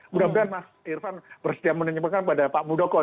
mudah mudahan mas irfan bersedia menunjukkan pada pak muldoko